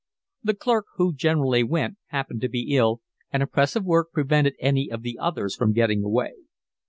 The clerk who generally went happened to be ill, and a press of work prevented any of the others from getting away.